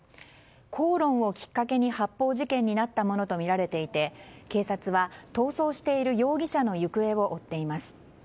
口論をきっかけに発砲事件になったものとみられていて警察は逃走している容疑者の行方を追っています。